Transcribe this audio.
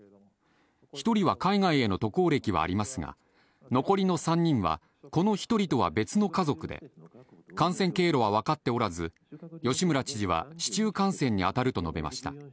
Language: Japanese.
１人は海外への渡航歴はありますが、残りの３人は、この１人とは別の家族で、感染経路は分かっておらず、吉村知事は市中感染に当たると述べました。